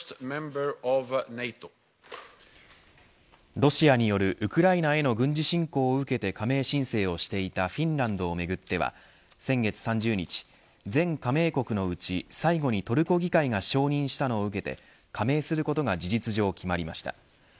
ロシアによるウクライナへの軍事侵攻を受けて加盟申請をしていたフィンランドをめぐっては先月３０日全加盟国のうち最後にトルコ議会が承認したのを受けて加盟することが事実上決まりました。